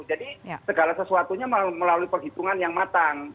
jadi segala sesuatunya melalui perhitungan yang matang